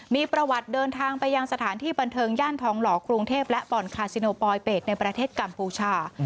มีประวัติเดินทางไปยังสถานที่บันเทิงย่านทองหล่อกรุงเทพและบ่อนคาซิโนปลอยเป็ดในประเทศกัมพูชา